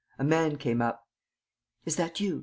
A man came up. "Is that you?"